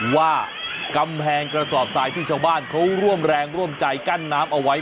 ว่ากำแพงกระสอบทรายที่ชาวบ้านเขาร่วมแรงร่วมใจกั้นน้ำเอาไว้